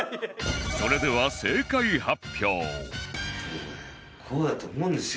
それではこうだと思うんですよ